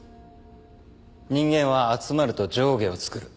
人間は集まると上下を作る。